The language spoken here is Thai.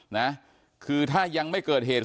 นะคือถ้ายังไม่เกิดเหตุ